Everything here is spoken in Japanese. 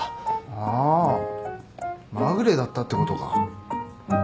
あぁまぐれだったってことか。